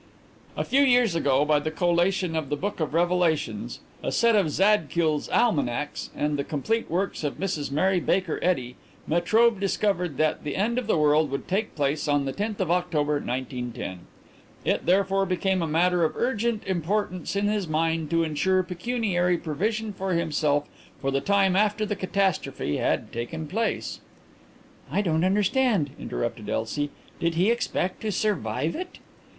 "A few years ago, by the collation of the Book of Revelations, a set of Zadkiel's Almanacs, and the complete works of Mrs Mary Baker Eddy, Metrobe discovered that the end of the world would take place on the tenth of October 1910. It therefore became a matter of urgent importance in his mind to ensure pecuniary provision for himself for the time after the catastrophe had taken place." "I don't understand," interrupted Elsie. "Did he expect to survive it?"